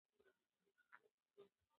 که جنازه وي نو مړی نه بې عزته کیږي.